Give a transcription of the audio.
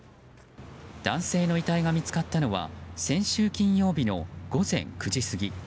男性の遺体が見つかったのは先週金曜日の午前９時過ぎ。